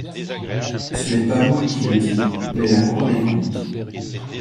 Ce n’est pas moi qui le dis, mais la Cour des comptes.